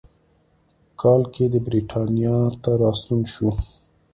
کال کې د برېټانیا ته راستون شو.